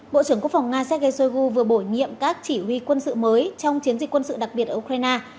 bộ trưởng quốc phòng nga sergei shoigu vừa bổ nhiệm các chỉ huy quân sự mới trong chiến dịch quân sự đặc biệt ở ukraine